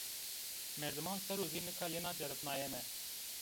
Merdiman ser o zî nika yena ceribnayene